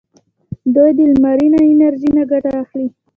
دوی د لمرینه انرژۍ نه ګټه اخلي.